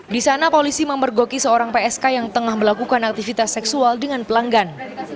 di sana polisi memergoki seorang psk yang tengah melakukan aktivitas seksual dengan pelanggan